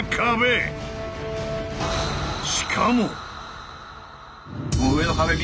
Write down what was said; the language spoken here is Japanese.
しかも。